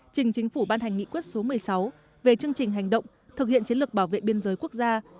trình chính phủ ban hành nghị quyết số một mươi sáu về chương trình hành động thực hiện chiến lược bảo vệ biên giới quốc gia